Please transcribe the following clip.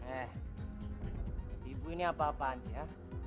eh ibu ini apa apaan sih ya